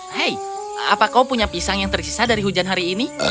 hei apa kau punya pisang yang tersisa dari hujan hari ini